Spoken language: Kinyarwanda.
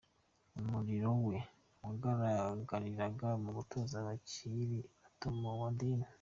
Umurimo we wagaragariraga mu gutoza abakiri bato mu idini.